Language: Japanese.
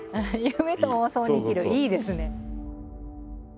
いいですね。